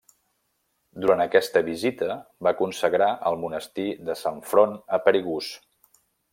Durant aquesta visita va consagrar el monestir de Sant Front a Perigús.